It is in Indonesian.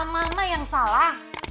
mama yang salah